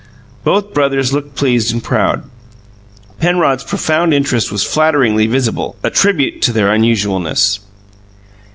Both brothers looked pleased and proud. Penrod's profound interest was flatteringly visible, a tribute to their unusualness.